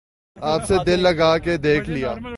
آپ سے دل لگا کے دیکھ لیا